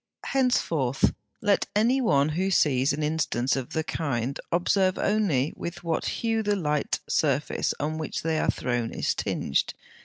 Henceforth let any one who sees an instance of the kind observe only with what hue the light surface on which they are thrown is tinged.